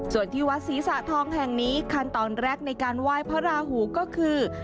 ส่วนที่วัดศรีสะทองแห่งนี้ขั้นตอนแรกในการไหว้พระราหูก็คือ